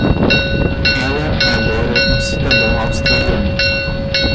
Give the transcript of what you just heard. Ela é agora um cidadão australiano.